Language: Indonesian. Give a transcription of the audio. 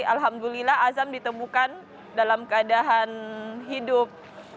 alhamdulillah azam ditemukan dalam keadaan hidup